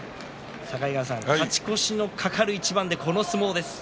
境川さん、勝ち越しの懸かる一番でこの相撲です。